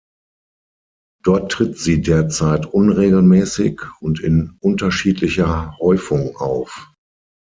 Dort tritt sie derzeit unregelmäßig und in unterschiedlicher Häufung auf.